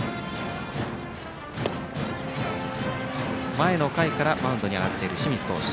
前の回からマウンドに上がっている清水投手。